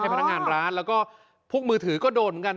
พนักงานร้านแล้วก็พวกมือถือก็โดนเหมือนกัน